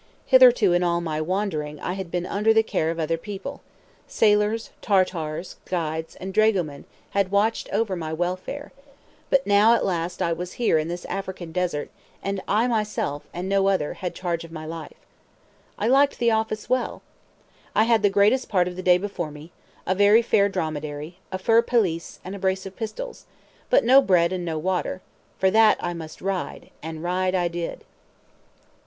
Hitherto, in all my wandering, I had been under the care of other people—sailors, Tatars, guides, and dragomen had watched over my welfare, but now at last I was here in this African desert, and I myself, and no other, had charge of my life. I liked the office well. I had the greasiest part of the day before me, a very fair dromedary, a fur pelisse, and a brace of pistols, but no bread and no water; for that I must ride—and ride I did.